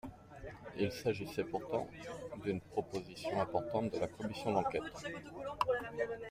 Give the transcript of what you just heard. Il s’agissait pourtant d’une proposition importante de la commission d’enquête.